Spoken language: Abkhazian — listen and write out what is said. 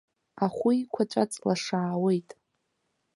Ахәы еиқәаҵәа ҵлашаауеит.